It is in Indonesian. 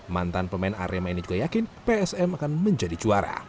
mantan pemain arema ini juga yakin psm akan menjadi juara